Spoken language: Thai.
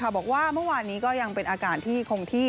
บอกว่าเมื่อวานนี้ก็ยังเป็นอาการที่คงที่